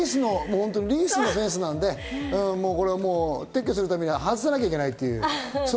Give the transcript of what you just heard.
リースのフェンスなんで、撤去するために外さなきゃいけないという。